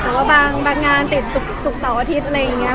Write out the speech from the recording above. แต่ว่าบางงานติดศุกร์เสาร์อาทิตย์อะไรอย่างนี้